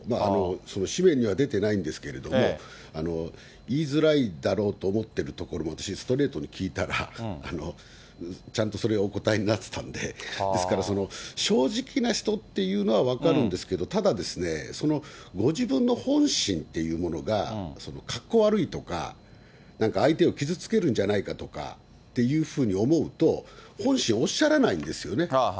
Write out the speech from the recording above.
その誌面には出てないんですけれども、言いづらいだろうと思ってるところも、私、ストレートに聞いたら、ちゃんとそれはお答えになってたんで、ですから、正直な人っていうのは分かるんですけど、ただですね、ご自分の本心っていうものが、かっこ悪いとか、なんか相手を傷つけるんじゃないかとかっていうふうに思うと、本心おっしゃらないんですよね。